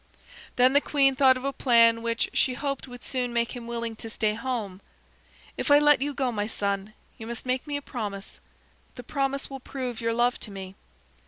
Then the queen thought of a plan which she hoped would soon make him willing to stay home. "If I let you go, my son, you must make me a promise. The promise will prove your love to me."